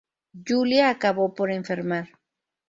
Yulia acabó por enfermar.